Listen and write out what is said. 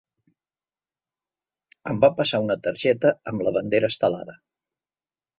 Em va passar una targeta amb la bandera estelada.